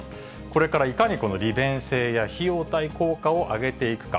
これからいかに利便性や費用対効果を上げていくか。